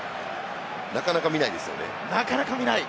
なかなか見ないですよね。